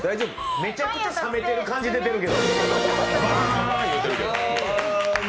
めちゃくちゃ冷めてる感じ出てるけど。